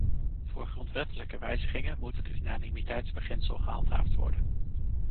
Voor grondwettelijke wijzigingen moet het unanimiteitsbeginsel gehandhaafd worden.